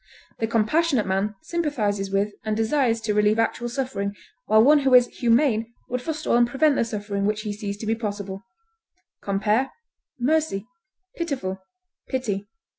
The compassionate man sympathizes with and desires to relieve actual suffering, while one who is humane would forestall and prevent the suffering which he sees to be possible. Compare MERCY; PITIFUL; PITY.